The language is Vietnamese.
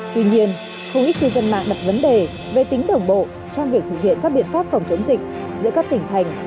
tuy nhiên không ít cư dân mạng đặt vấn đề về tính đồng bộ trong việc thực hiện các biện pháp phòng chống dịch giữa các tỉnh thành